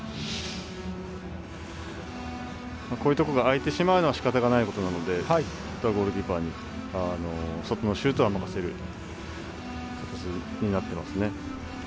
こういうところが空いてしまうのはしかたないところなのでゴールキーパーにそこのシュートは任せるというふうになってますね。